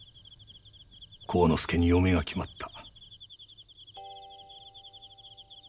晃之助に嫁が決まった。